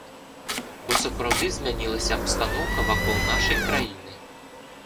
Бо сапраўды змянілася абстаноўка вакол нашай краіны.